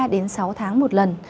ba đến sáu tháng một lần